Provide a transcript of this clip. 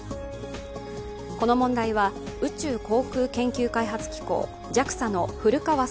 この問題は宇宙航空研究開発機構＝ＪＡＸＡの古川聡